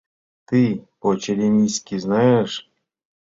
— Ты по-черемисски знаешь?